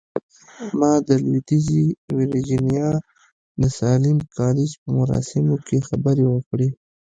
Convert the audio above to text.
ما د لويديځې ويرجينيا د ساليم کالج په مراسمو کې خبرې وکړې.